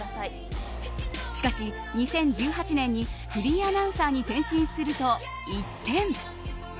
しかし、２０１８年にフリーアナウンサーに転身すると、一転。